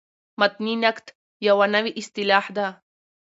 متني نقد یوه نوې اصطلاح ده.